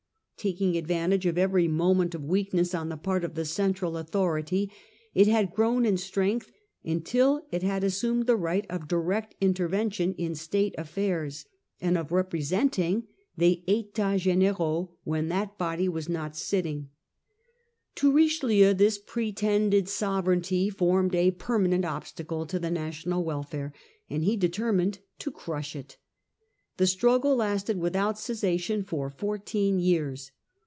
Taking advantage of every moment of weakness on the part of the central authority, it had grown in strength until it had assumed the right of direct intervention in State affairs, and of representing the Jttats Gdniraux when that body was not silting. To 14 Prelude to the Fronde. 1641. Richelieu this pretended sovereignty formed a permanent obstacle to the national welfare, and he determined to crush it. The struggle lasted without cessation for four teen years.